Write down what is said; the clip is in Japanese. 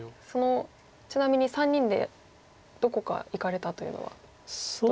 ちなみに３人でどこか行かれたというのはどの辺りに？